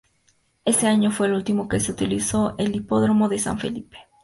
Ese año fue el último que se utilizó el hipódromo de San Felipe.